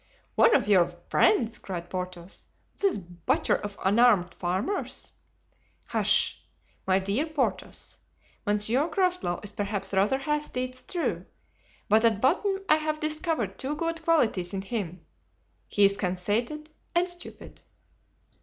"One of your friends!" cried Porthos, "this butcher of unarmed farmers!" "Hush! my dear Porthos. Monsieur Groslow is perhaps rather hasty, it's true, but at bottom I have discovered two good qualities in him—he is conceited and stupid."